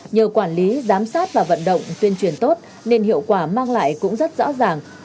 nhờ quản lý giám sát và vận động tuyên truyền tốt nên hiệu quả mang lại cũng rất rõ ràng